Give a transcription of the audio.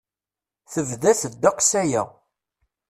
Tebda-t ddeg-s aya.